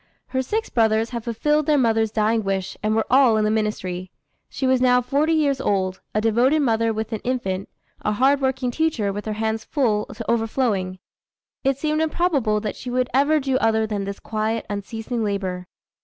Her six brothers had fulfilled their mother's dying wish, and were all in the ministry. She was now forty years old, a devoted mother, with an infant; a hard working teacher, with her hands full to overflowing. It seemed improbable that she would ever do other than this quiet, unceasing labor.